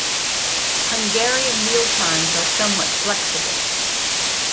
Hungarian meal times are somewhat flexible.